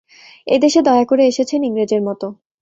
এ দেশে দয়া করে এসেছেন, ইংরেজের মত।